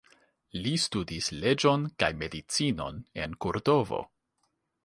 Li studis leĝon kaj medicinon en Kordovo.